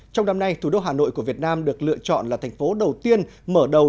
trong năm nay thủ đô hà nội của việt nam được lựa chọn là thành phố đầu tiên mở đầu